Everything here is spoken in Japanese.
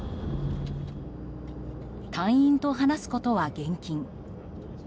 隊員と話すことは厳禁。